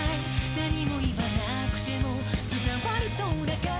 「何も言わなくても伝わりそうだから」